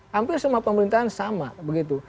hampir semua pemerintahan sama begitu